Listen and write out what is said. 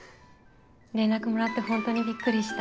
連絡もらって本当にびっくりした。